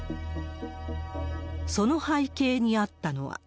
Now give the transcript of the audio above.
その背景にあったのは。